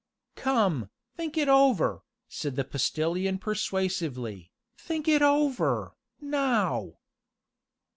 "Come, think it over," said the Postilion persuasively, "think it over, now!"